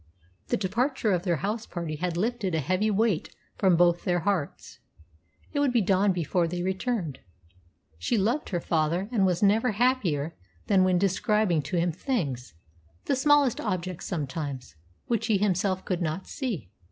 The departure of their house party had lifted a heavy weight from both their hearts. It would be dawn before they returned. She loved her father, and was never happier than when describing to him things the smallest objects sometimes which he himself could not see.